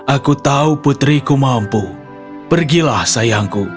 aku tahu putriku mampu pergilah sayangku